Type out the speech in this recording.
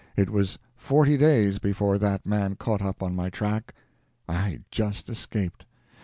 It was forty days before that man caught up on my track. I just escaped.